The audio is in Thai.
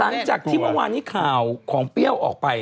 หลังจากที่เมื่อวานนี้ข่าวของเปรี้ยวออกไป